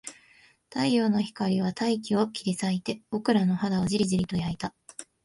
太陽の光は大気を切り裂いて、僕らの肌をじりじりと焼いた